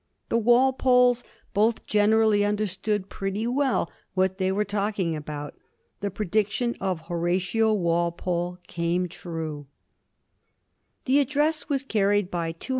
The Walpoles both generally understood pretty well what they were talking about. The prediction of Horatio Walpole came true. 172 A HISTORY OF THE FOUR GEORGES.